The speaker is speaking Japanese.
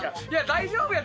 大丈夫や！